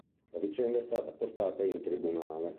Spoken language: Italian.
La vicenda è stata portata in tribunale.